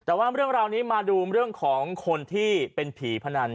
แต่ว่าเรื่องราวนี้มาดูเรื่องของคนที่เป็นผีพนัน